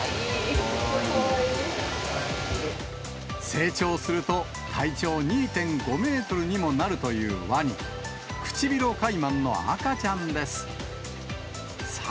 成長すると体長２．５メートルにもなるというワニ、クチビロカイマンの赤ちゃんです。